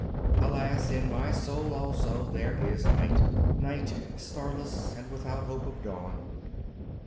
Alas, in my soul also there is night dark, starless and without hope of dawn!